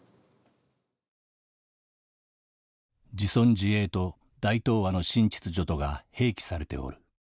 「『自存自衛』と『大東亜の新秩序』とが併記されておる。